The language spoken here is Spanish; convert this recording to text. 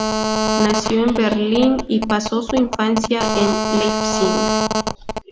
Nació en Berlín y pasó su infancia en Leipzig.